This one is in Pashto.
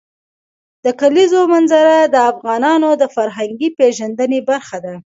د کلیزو منظره د افغانانو د فرهنګي پیژندنې برخه ده.